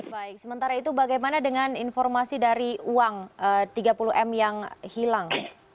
baik sementara itu bagaimana dengan informasi dari uang tiga puluh m yang hilang